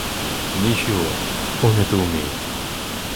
Ничего, он это умеет.